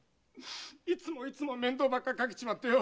いつもいつも面倒ばっかりかけちまってよ。